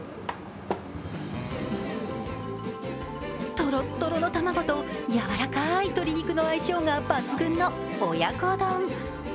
とろっとろの卵とやわらかい鶏肉の相性が抜群の親子丼。